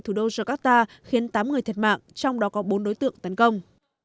thủ đô jakarta khiến tám người thiệt mạng trong đó có bốn đối tượng tấn công